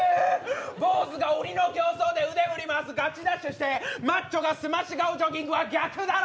ぼうずが鬼の形相で腕振り回すガチダッシュしてマッチョがすまし顔ジョギングは逆だろ！